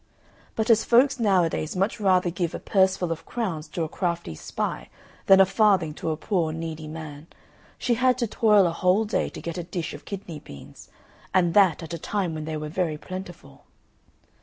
But as folks nowadays much rather give a purseful of crowns to a crafty spy than a farthing to a poor needy man, she had to toil a whole day to get a dish of kidney beans, and that at a time when they were very plentiful.